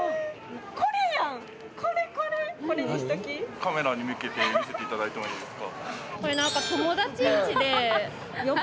カメラに向けて見せていただいてもいいですか？